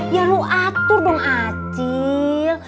ya lu atur dong atil